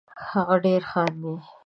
هغه ډېر خاندي